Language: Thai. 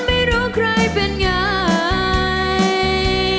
ไม่รู้ใครเป็นไง